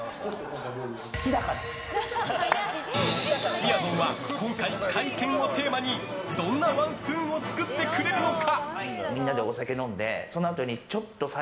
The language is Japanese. みやぞんは今回、海鮮をテーマにどんなワンスプーンを作ってくれるのか。